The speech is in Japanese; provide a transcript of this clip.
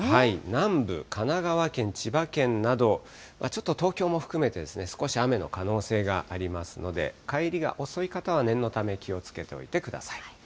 南部、神奈川県、千葉県など、ちょっと東京も含めて、少し雨の可能性がありますので、帰りが遅い方は念のため気をつけておいてください。